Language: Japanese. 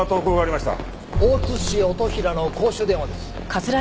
大津市音比良の公衆電話です。